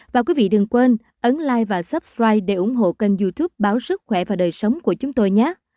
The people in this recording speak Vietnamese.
và quý vị đừng quên ấn like và subscribe để ủng hộ kênh youtube báo sức khỏe và đời sống của chúng tôi nhé